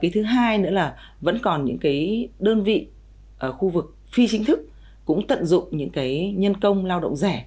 thứ hai nữa là vẫn còn những đơn vị khu vực phi chính thức cũng tận dụng những nhân công lao động rẻ